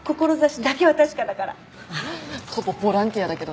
ここボランティアだけどね。